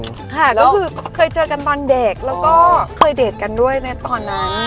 ค่ะก็คือเคยเจอกันตอนเด็กแล้วก็เคยเดทกันด้วยนะตอนนั้น